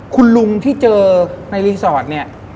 คุณลุงที่เจอในรีสอร์ทเนี่ย